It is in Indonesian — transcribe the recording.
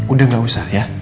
udah gak usah ya